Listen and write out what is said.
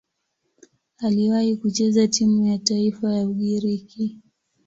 Aliwahi kucheza timu ya taifa ya Ugiriki.